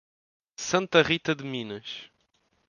Santa Rita de Minas